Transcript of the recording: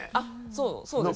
そうですね。